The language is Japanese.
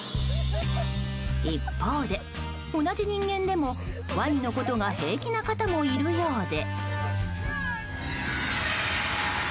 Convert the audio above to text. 一方で、同じ人間でもワニのことが平気な方もいるようで。